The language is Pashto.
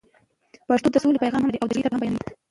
پښتو د سولې پیغام هم لري او د جګړې درد هم بیانوي.